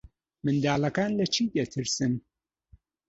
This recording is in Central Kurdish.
منداڵەکان لە چی دەترسن؟